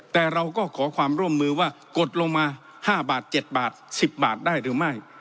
แต่เราก็ขอความร่วมมือว่ากดลงมา๕บาท๗บาท๑๐บาทได้หรือไม่